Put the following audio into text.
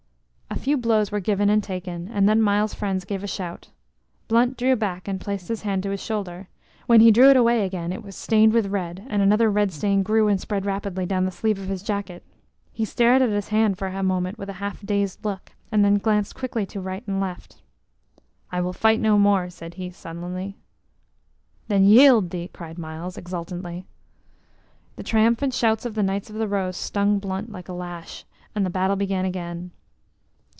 A few blows were given and taken, and then Myles's friends gave a shout. Blunt drew back, and placed his hand to his shoulder. When he drew it away again it was stained with red, and another red stain grew and spread rapidly down the sleeve of his jacket. He stared at his hand for a moment with a half dazed look, and then glanced quickly to right and left. "I will fight no more," said he, sullenly. "Then yield thee!" cried Myles, exultantly. The triumphant shouts of the Knights of the Rose stung Blunt like a lash, and the battle began again.